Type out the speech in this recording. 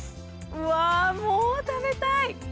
うわもう食べたい！